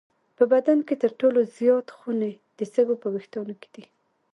په بدن کې تر ټولو زیات خونې د سږو په وېښتانو کې دي.